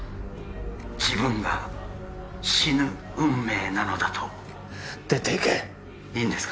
自分が死ぬ運命なのだと出ていけいいんですか？